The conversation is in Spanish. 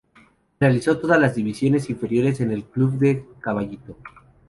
Realizó todas las divisiones inferiores en el club de Caballito.